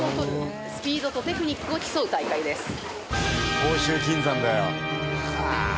奥州金山だよ。